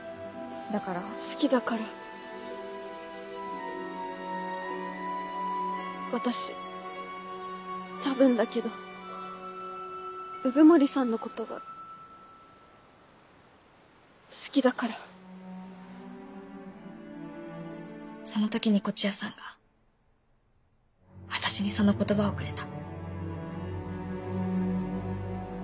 好きだから私多分だけど鵜久森さんのことが好きだからその時に東風谷さんが私にその言葉をくれた。